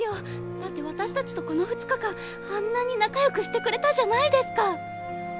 だって私たちとこの２日間あんなに仲良くしてくれたじゃないですか。